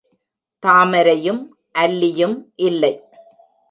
தாமரையும், அல்லியும் இல்லை.